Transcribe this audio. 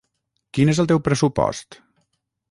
Quin és el teu pressupost?